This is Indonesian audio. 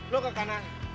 lo ke kanan